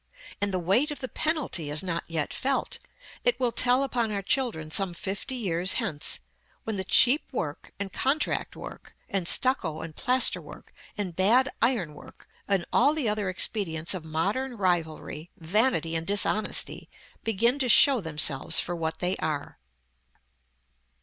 And the weight of the penalty is not yet felt; it will tell upon our children some fifty years hence, when the cheap work, and contract work, and stucco and plaster work, and bad iron work, and all the other expedients of modern rivalry, vanity, and dishonesty, begin to show themselves for what they are.